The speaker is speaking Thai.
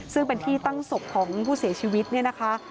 ซึ่งเป็นที่ตั้งศพของผู้เสียชีวิตเนี่ยนะคะ